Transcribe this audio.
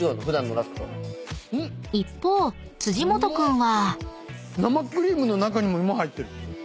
［一方辻本君は］